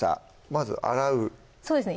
まず洗うそうですね